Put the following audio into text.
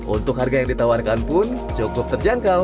untuk harga yang ditawarkan pun cukup terjangkau